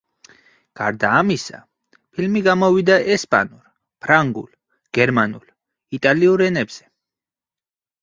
გარდა ამისა, ფილმი გამოვიდა ესპანურ, ფრანგულ, გერმანულ, იტალიურ ენებზე.